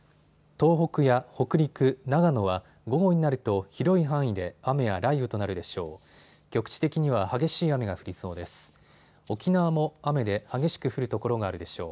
東北や北陸、長野は午後になると広い範囲で雨や雷雨となるでしょう。